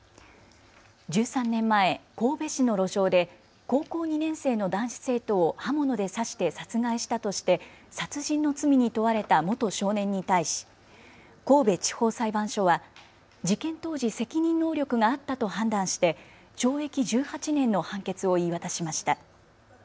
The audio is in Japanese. １３年前、神戸市の路上で高校２年生の男子生徒を刃物で刺して殺害したとして殺人の罪に問われた元少年に対し神戸地方裁判所は事件当時、責任能力があったと判断して懲役１８年の判決を言い渡しました。